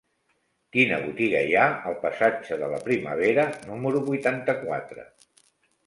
Quina botiga hi ha al passatge de la Primavera número vuitanta-quatre?